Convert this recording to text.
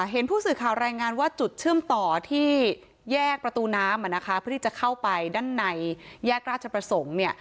เห็นผู้สื่อข่าวรายงานว่าจุดเชื่อมต่อที่แยกประตูน้ำเพื่อที่จะเข้าไปด้านในแยกราชประสงค์เนี่ย